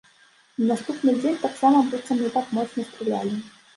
На наступны дзень таксама быццам не так моцна стралялі.